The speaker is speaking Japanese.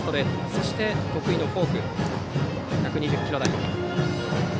そして、得意のフォーク１２０キロ台。